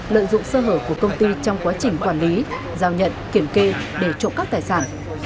lợi dụng sơ hở của công ty trong quá trình quản lý giao nhận kiểm kê để trộm cắp tài sản